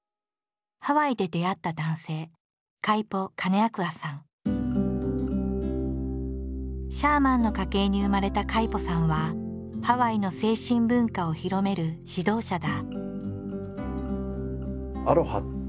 ハワイで出会った男性シャーマンの家系に生まれたカイポさんはハワイの精神文化を広める指導者だ。